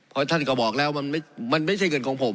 เพราะท่านก็บอกแล้วมันไม่ใช่เงินของผม